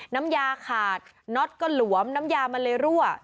น้ำยาขาดน็อตก็หลวมน้ำยามันเลยรั่ว